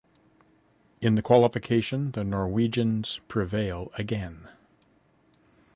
In the Qualification the Norwegians prevail again.